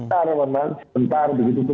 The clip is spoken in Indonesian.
sebentar sebentar begitu